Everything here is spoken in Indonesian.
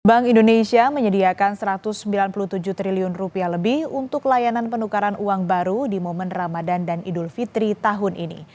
bank indonesia menyediakan rp satu ratus sembilan puluh tujuh triliun lebih untuk layanan penukaran uang baru di momen ramadan dan idul fitri tahun ini